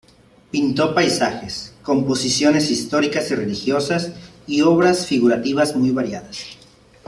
Pintó paisajes, composiciones históricas y religiosas y obras figurativas muy variadas.